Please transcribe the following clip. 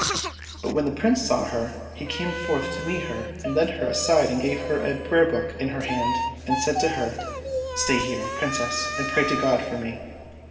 But when the Prince saw her, he came forth to meet her and led her aside and gave her a prayer book in her hand, and said to her, " Stay here, Princess, and pray to God for me."